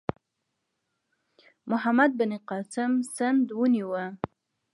محمد بن قاسم سند ونیو.